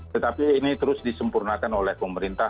tetapi ini terus disempurnakan oleh pemerintah